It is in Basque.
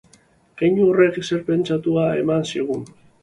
Keinu horrek zer pentsatua eman zigun.